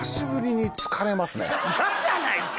嫌じゃないですか！